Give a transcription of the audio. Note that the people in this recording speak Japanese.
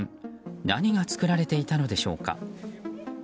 何が作られていたのでしょうか？